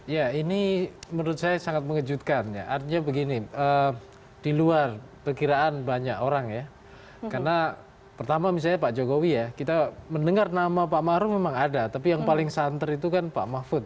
ya ini menurut saya sangat mengejutkan ya artinya begini di luar perkiraan banyak orang ya karena pertama misalnya pak jokowi ya kita mendengar nama pak maruf memang ada tapi yang paling santer itu kan pak mahfud